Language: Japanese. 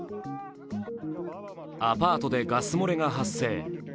アパートでガス漏れが発生。